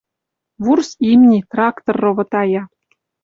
Вурс имни — трактор ровотая.